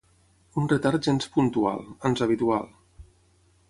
Un retard gens puntual, ans habitual.